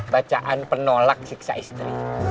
bacaan penolak siksa istri